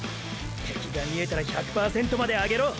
敵が見えたら１００％まで上げろ！